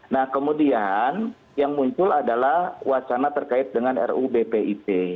nah kemudian yang muncul adalah wacana terkait dengan rubpip